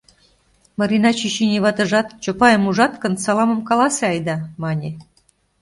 Марина чӱчӱньӧ ватыжат «Чопайым ужат гын, саламым каласе айда» мане.